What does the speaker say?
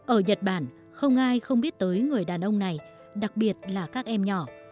ở nhật bản không ai không biết tới người đàn ông này đặc biệt là các em nhỏ